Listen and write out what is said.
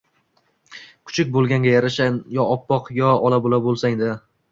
Kuchuk bo‘lganga yarasha yo oppoq, yo ola-bula bo‘lsang-da!